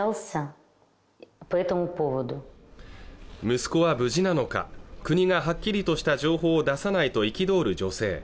息子は無事なのか国がはっきりとした情報を出さないと憤る女性